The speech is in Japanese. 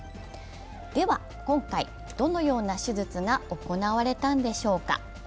では今回、どのような手術が行われたのでしょうか。